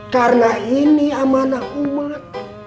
karena ini amanah umat